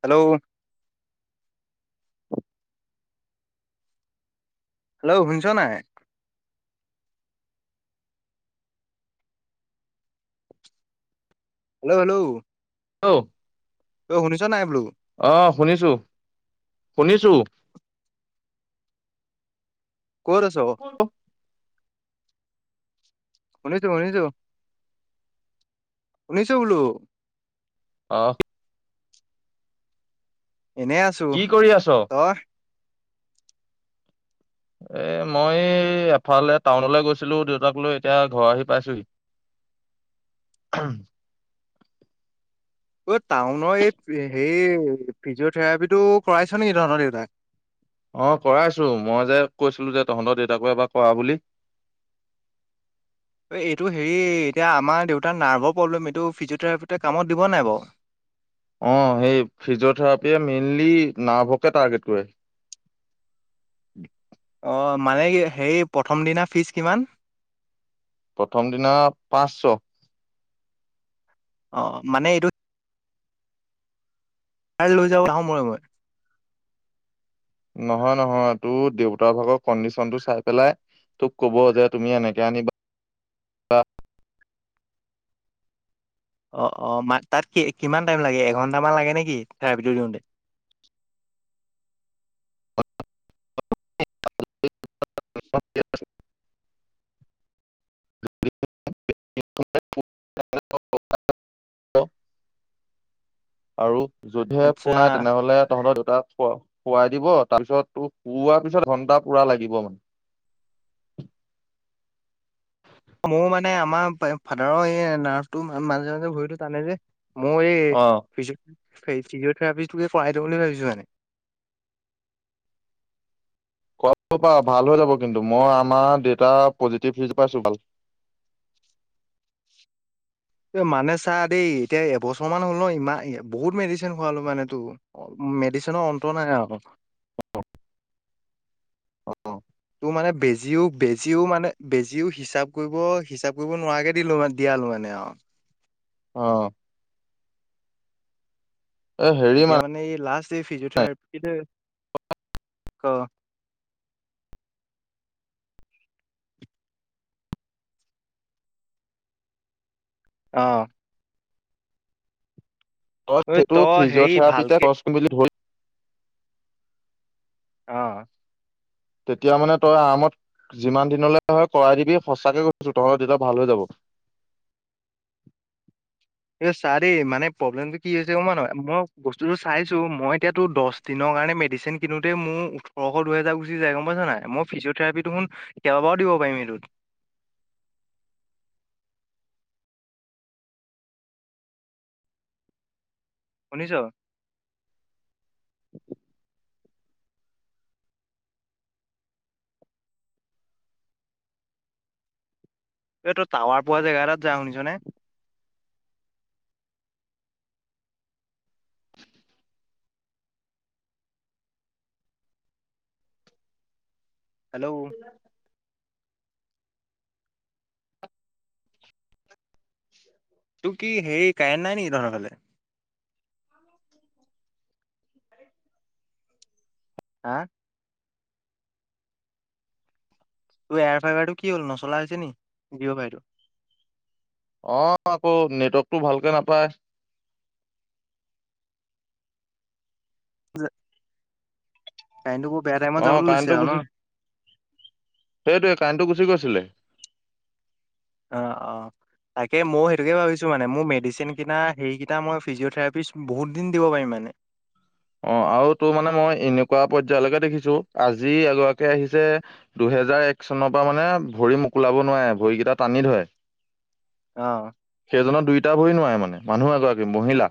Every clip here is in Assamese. হেল্ল'উ হেল্ল'ও শুনিছ নাই হেল্ল' হেল্ল' [unintelligible] ঐ শুনিছ নাই বোলো অহ শুনিছো, শুনিছো ক'ত আছ শুনিছোঁ শুনিছোঁ, শুনিছোঁ বোলো অ এনেই আছো, কি কৰি আছ তই এ মই এফালে টাউনলৈ গৈছিলো দেউতাক লৈ এতিয়া ঘৰ আহি পাইছোহী ঐ টাউনৰ এইপ হেই ফিজিঅ'থেৰাপি টো কৰাইছ নেকি তহঁতৰ দেউতাক অ কৰাইছো মই যে কৈছিলো যে তহঁতৰ দেউতাকো এবাৰ কৰা বুলি এই এইটো হেৰি এতিয়া আমাৰ দেউতাৰ নাৰ্ভৰ প্ৰব্লেম এইটো ফিজিঅ'থেৰাপিতে কামত দিব নাই বাওঁ অ সেই ফিজিঅ থেৰাপিয়ে মেইন মেনলি না্ভকে ৰ্টাগেট কৰে। [unintelligible] অ মানে সি সেই প্ৰথম দিনা ফিজ কিমান? প্ৰথম দিনা পাঁচশ। অ মানে এইটো তাই লৈ যাব নাহো মানে মই। নহয়, নহয় তো দেউতা ভাগৰ কণ্ডিচনটো চাই পেলাই তোক ক'ব যে, তুমি এনেকে আনিবা বা [unintelligible] অঁ অঁ মা তাত কি কিমান টাইম লাগে এঘন্টামান লাগে নেকি থেৰাপিটো দিওঁতে? কে [unintelligible] [unintelligible] [inaudible] আৰু যদিহে ফোন আহে আচ্ছা তেনেহ'লে তহঁতৰ দুট [unintelligible] তা শুৱা শুৱাই দিব তাৰপিছত তোক শুওৱা পিছত ঘন্টাপুৰা লাগিব মানে। মোৰ মানে আমাৰ ফা ফাদাৰৰ এ নাৰ্ভটো মাজে- মাজে ভৰিটো টানে যে। মোৰ এই অ পিছুহ্‌ সেই ফিজিঅথেৰাপি তোকে কৰাই দিওঁ বুলি ভাবিছো মানে। কৰাব বাও ভাল হৈ যাব কিন্তু, মই আমাৰ দেতাৰ পজিটিভিজ পাইছো ভাল। [unintelligible] এ মানে চা-দেই এতিয়া এবছৰমান হ'ল ন্‌ ইমা এ বহুত মেডিচিন খোৱালো মানেটো ওঁ মেডিচিনৰ অন্ত নাই আও অ তোৰ মানে বেজিও, বেজিও মানে, বেজিও হিচাপ কৰিব হিচাপ কৰিব নোৱাকে দিলো মা- দিয়ালো মানে আও। অঁ এ হেৰি এতিয়া মানে এই লাষ্ট ষ্টেফি ফিজথেৰাপিটো [unintelligible] অঁ অঁ- বচ্‌, অ সেইটো তই হেৰি ফিজ'থেৰাপিতে ভালকে কৰচোন বুলি ধৰি অঁ তেতিয়া মানে তই আৰামত যিমান দিনলৈ হ'য় কৰাই দিবি সঁচাকে কৈছো, তহঁতৰ দেতাৱ ভাল হৈ যাব। এ চা দেই মানে প্ৰব্লেমটো কি হৈছে গমপাৱ- নাপাৱ, মই বস্তুটো চাইছো মই এতিয়াটো দচ দিনৰ কাৰণে মেডিচিন কিনোতে মো ওঠৰশ দুহেজা গুচি যায় গম পাইছা নাই। মো ফিজিঅ'থেৰাপিটো দেখোন কেইবাবাৰো দিব পাৰিম এইটোত শুনিছ? [inaudible] ঐ তই টাৱাৰ পোৱা জেগা এটাত যা শুনিছনে? হেল্লৌ তো কি হেৰি কাৰেণ্ট নাই নেকি তহঁতৰ ফালে? [inaudible] হাঁ তোৰ এয়াৰ ফাইভাৰটো কি হ'ল নচলা হৈছে নি? জিঅ'ৱাইটো। অঁ আকৌ নেটৱৰ্কটো ভালকে নাপায়। যে- অঁ যাবলৈ লৈছে কাইণ্টো আৰু ন গুচি- সেইটোয়ে কাইণ্টো গুচি গৈছে। দিলে অঁ অঁ, তাকে মও সেইটোকে ভাবিছোঁ মানে মো মেডিচিন কিনা হেৰিকেইটা মই ফিজিঅ'থেৰাপিচ বহুত দিন দিব পাৰিম মানে। অঁ আওটো মানে মই এনেকুৱা পৰ্যায়লৈকে দেখিছো। আজি এগৰাকী আহিছে দুহেজাৰ এক চনৰপা মানে ভৰি মোকোলাব নোৱায়, ভৰিকেইটা টানি ধয়। অ সেইজনৰ দুই তা ভৰি নোৱায় মানে মানুহ এগৰাকী মহিলা।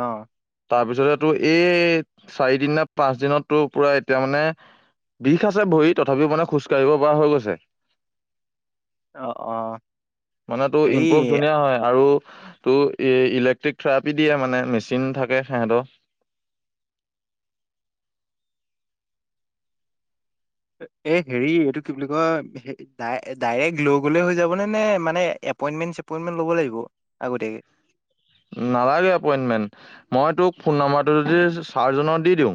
আহ তাৰপিছত তো এই চাৰি দিন ন পাঁচ দিনতো পুৰা এতিয়া মানে বিষ আছে ভৰি তথাপিও মানে খোজ কাঢ়িব পৰা হৈ গৈছে। অ অ মানে টো হেৰি ইম্প্ৰুভ ধুনীয়া হয় আৰু [unintelligible] ত ইলেক্ট্ৰিক থেৰাপি দিয়ে মানে মেচিন থাকে সিহতৰ [unintelligible] এই হেৰি এইটো কি বুলি কয় ডাইৰেক্ট লৈ গলে হৈ যাবনে নে মানে এপইন্টমেণ্ট চেপইন্টমেণ্ট ল'ব লাগিব আগতীয়াকে নালাগে এপইন্টমেন্ট মই তোক ফোন নম্বৰটো যদি চাৰজনৰ দি দিওঁ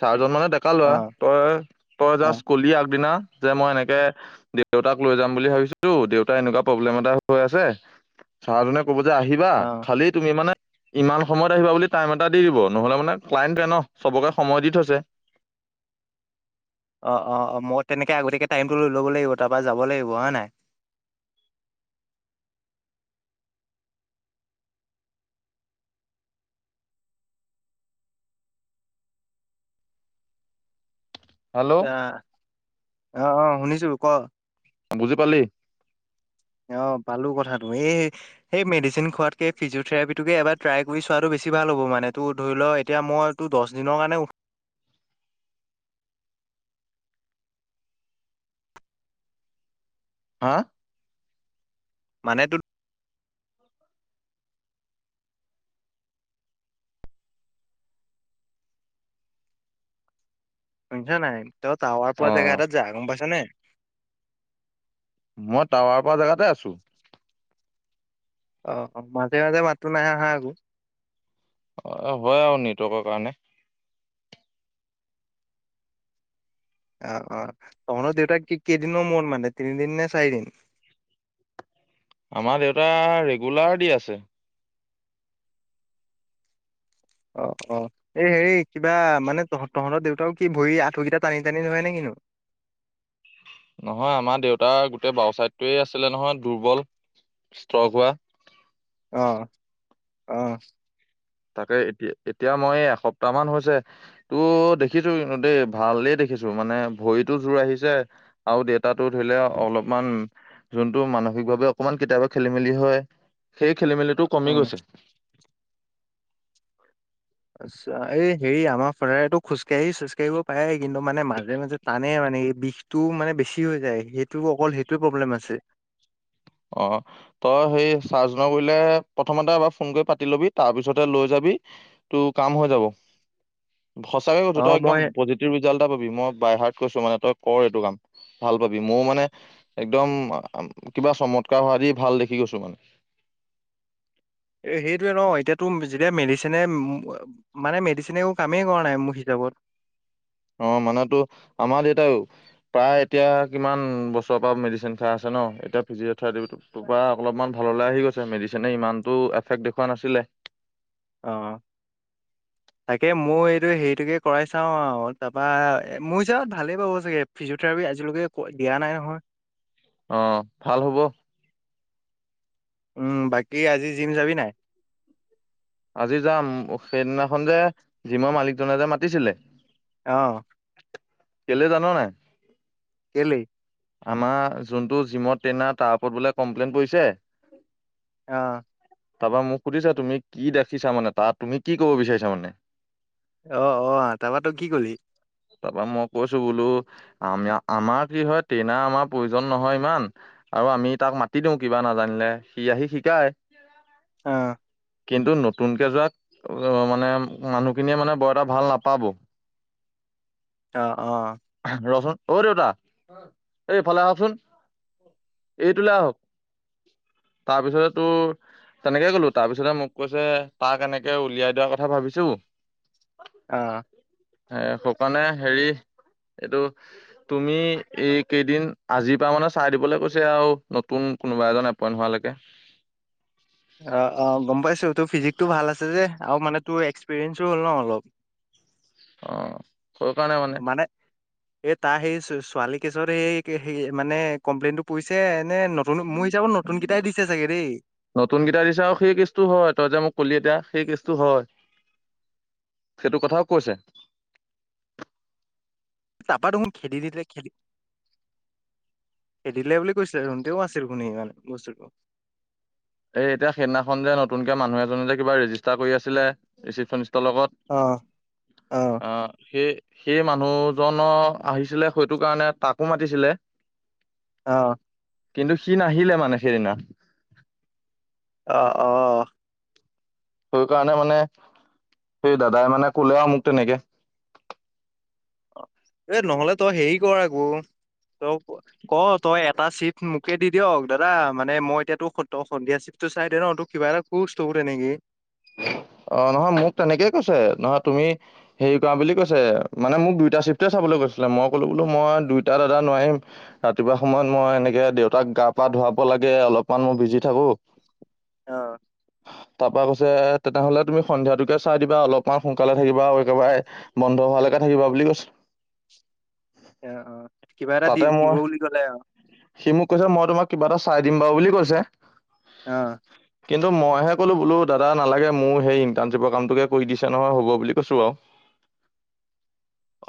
চাৰজন মানে ডেকা লোৱা অ তই তই অ জাষ্ট কলি আগ দিনা যে মই এনেকে দেউতাক লৈ যাম বুলি ভাবিছো দেউতা এনেকুৱা প্ৰব্লেম এটা হৈ আছে চাহ জনে ক'ব যে আহিবা অ মানে ইমান সময়ত আহিবা বুলি টাইম এটা দি দিব নহলে মানে কলান্টে ন চবকে সময় দি থৈছে অ অ অ মই তেনেকে আগতীয়াকে টাইমটো লৈ ল'ব লাগিব তাৰ পৰা যাব লাগিব হয় নাই হেল্ল' যাৰ অ অ শুনিছো ক অ বুজি পালি অ পালো কথাটো এই সেই মেডিচিন খোৱাতকে ফিজিঅথেৰাপিটোকে এবাৰ ট্ৰাই কৰি চোৱাটো বেছি ভাল হ'ব মানে তটো ধৰি ল এতিয়া মইতো দহ দিনৰ কাৰণে উঠ হা মানে ত শুনিছা নাই ত টাৱা পোৱা অ জেগা এটা যা গম পাইছ নে মই টাৱাৰ পৰা জেগাতে আছো অ অ মাজে মাজে মাতো নাই অহা আকৌ অ হয় আৰু নেটৱৰ্কৰ কাৰণে আহ অ আপোনাৰ দেউতাক কি কেইদিনৰ মোৱাত মানে তিনিদিন নে চাৰিদিন আমাৰ দেউতা ৰেগুলাৰ দি আছে অ অ এই হেৰি কিবা মানে তহত তহঁতৰ দেউতাক কি ভৰি আঁঠুকেইটা টানি টানি ধয় নে কিনু নহয় আমাৰ দেউতাৰ গোটেই বও ছাইডটোৱে আছিলে নহয় দুৰ্বল স্তগ হোৱা আহ আহ তাকে এতিয়া এতিয়া মই এসপ্তাহ মান হৈছে তো দেখিছো দেই ভালেই দেখিছো মানে ভৰিতো জোৰ আহিছে আৰু দে আটাটো ধৰিলে অলপমান যোনটো মানসিকভাৱে অকমান কেতিয়াবা খেলি মেলি হয় সেই খেলি মেলিটো কমি অ'। গৈছে আচ্ছা এই হেৰি আমাৰ ফাদাৰেতো খোজকাঢ়ি খোজকাঢ়িব পায় কিন্তু মানে মাজে মাজে টানে মানে এই বিষটো মানে বেছি হৈ যায় সেইটো অকল সেইটোৱে প্ৰব্লেম আছে। অ তই সেই চাৰ্জনা কৰিলে প্ৰথমতে এবাৰ ফোন কৰি পাতি লবি তাৰ পিছতে লৈ যাবি তোৰ কাম হৈ যাব সঁচাকৈ কৈছো তই অ', একদ মই পজিভ ৰিজাল্ট এটা পাবি মই বাই হাৰ্ট কৈছো মানে তই কৰ এইটো কাম ভাল পাবি মোৰ মানে একদম কিবা চমৎকাৰ হোৱা দি ভাল দেখি গৈছো মানে সেইটোৱে ন এতিয়া তোৰ যেতিয়া মেডিচিনে মানে মেডিচিনে একো কামেই কৰা নাই মোৰ হিচাপত অঁ মানেতো আমাৰ দেতাই প্ৰায় এতিয়া কিমান বছৰৰ পৰা মেডিচিন খাই আছে ন এতিয়া ফিজিঅ'থেৰাপিটোৰ পৰা অলপমান ভাললৈ আহি গৈছে মেডিচিনে ইমানতটো এফেক্ট দেখুওৱা নাছিলে। অ তাকে ময়ো এইটো হেৰিটোকে কৰাই চাওঁ আৰু তাৰপা মোৰ হিচাপত ভালেই পাব চাগে ফিজিঅথেৰাপি আজিলৈকে দিয়া নাই নহয় অ ভাল হব উম বাকী আজি জিম যাবি নাই আজি যাম সেইদিনাখন যে জিমৰ মালিকজনে যে মাতিছিলে আহ কেলে জানো নাই কেলে আমাৰ যোনটো জিমত ট্ৰেইনাৰ তাৰ ওপৰত বোলে কমপ্লেইন পৰিছে আহ তাৰ পৰা মোক সুধিছা তুমি কি দেখিছা মানে তাৰ তুমি কি কব বিচাৰিছা মানে অ অ তাৰপৰা তো কি কলি [unintelligible] তাৰপৰা মই কৈছো বোলো আমি আমাৰ কি হয় ট্ৰেইনাৰ আমাৰ প্ৰয়োজন নহয় ইমান আৰু আমি তাক মাতি দিওঁ কিবা নাজানিলে সি আহি শিকায় [unintelligible] অ কিন্তু নতুনকে যোৱাত মানে মানুহখিনিয়ে মানে বৰ এটা ভাল নাপাব অ অ ৰচোন অ দেউতা এই ইফালে আহকচোন এইটোলৈ আহক তাৰপিছতে তোৰ তেনেকে ক'লো তাৰপিছতে মোক কৈছে তাক এনেকে উলিয়াই দাৰ কথা ভাবিছো অ এ সকাৰণে হেৰি এইটো তুমি এই কেইদিন আজিৰ পৰা মানে চাই দিবলৈ কৈছে আৰু নতুন কোনোবা এজন এপইন্ট হোৱালৈকে [unintelligible] অ অ গম পাইছো তোৰ ফিজিকটো ভাল আছে যে আৰু মানে তোৰ এক্সপিৰিয়েঞ্চো হ'ল ন অলপ অ স কাৰণে মানে এ তাৰ সেই ছোৱালী কেইজনী সেই সে মানে কমপ্লেইন টো পৰিছে নে নতুন মোৰ হিচাপত নতুন কেইটাই দিছে চাগে দেই নতুনকেইটা দিছা আৰু সেই কিসটো হয় তই যে মোক কলি এতিয়া সেই কিস হয় সেইটো কথাও কৈছে তাৰপা দেখোন খেদি দিলে খেদি খেদিলে বুলি কৈছিলে ৰনতেও আছিল ৰ শুনি মানে বস্তুটো এই এতিয়া সেইদিনাখন যে নতুনকে মানুহ এজননে যে কিবা ৰেজিষ্টাৰ কৰি আছিলে চিপন ত লগত অ', অ'। সেই সেই মানুহজনৰ আহিছিলে সেইটো কাৰণে তাকো মাতিছিলে অ কিন্তু সি নাহিলে মানে সেইদিনা আহ অ সেই কাৰণে মানে সেই দাদাই মানে কলে আৰু মোক তেনেকে এ নহলে তই হেৰি কৰ আকৌ তই ক তই এটা চিফ্ট মোকে দি দিয়ক দাদা মানে মই এতিয়া তোৰ সন্ধিয়া চিপ্টটো চাই দে ন তোৰ কিবা এটা খোচ থো তেনেকি [unintelligible] অ নহয় মোক তেনেকেই কৈছে নহয় তুমি হেৰি কৰা বুলি কৈছে মানে মোক দুইটা চিফ্টে চাবলৈ কৈছিলে মই কলো বোলো মই দুইটা দাদা নোৱাৰিম ৰাতিপুৱা সময়ত মই এনেকে দেউতাক গা পা ধুৱাব লাগে অলপমান মই বিজি থাকো অ', তাপা তেনেহলে তুমি সন্ধিয়াতোকে চাই দিবা অলপমান সোনকালে থাকিবা আৰু একেবাৰে বন্ধ হোৱালৈকে থাকিবা বুলি কৈছ অ অ কিবা এটা দি দিব বুলি কলে আহ সি মোক কৈছে মই তোমাক কিবা এটা চাই দিম বাৰু বুলি কৈছে আহ কিন্তু মইহে ক'লো বোলো দাদা নালাগে মোৰ সেই ইন্টাৰ্ণশ্বিপৰ কামটোকে কৰি দিছে নহয় হ'ব বুলি কৈছো আৰু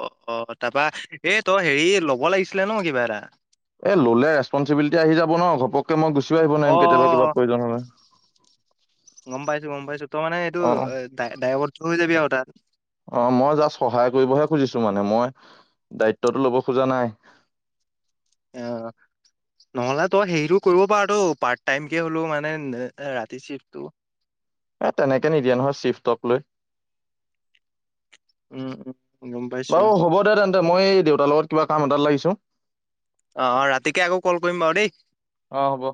অ অ তাৰপা এই তই হেৰি ল'ব লাগিছিলে ন কিবা এটা এ ল'লে ৰেচপনচিবিলিটি আহি যাব ন ঘপকে মই গুছো [unintelligible] আহিব অ', নোৱাৰিম কেতিয়াবা কিবা অ', প্ৰয়োজন হলে মুম্বাই চ ত মানে এইটো অ দ দায়বদ্ধ হৈ যাবি আৰু তাত অ মই জাষ্ট সহায় কৰিবহে খুজিছো মানে মই দায়িত্বটো ল'ব খোজা নাই অ নহ'লে তই হেৰিতটো কৰিব পাৰ ত পাৰ্ট টাইমকে হ'লো মানে ৰাতি চফটো এ তেনেকে নিদিয়ে নহয় চিফটক লৈ উম, উম, গম পাইছো। বাৰু হ'ব দে তেন্তে মই এই দেউতাৰ লগত কিবা কাম এডাল লাগিছো আহ অ ৰাতিকে আকৌ কল কৰিম বাৰু দেই অ হ'ব